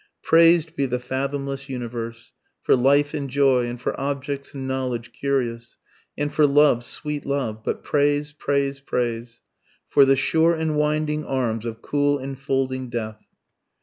_ _Prais'd be the fathomless universe, For life and joy, and for objects and knowledge curious, And for love, sweet love but praise! praise! praise! For the sure enwinding arms of cool enfolding death.